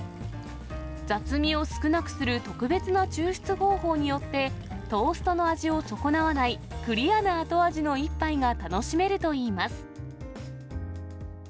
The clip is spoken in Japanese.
雑味を少なくする特別な抽出方法によって、トーストの味を損なわない、クリアな後味の一杯が楽しめるといいます。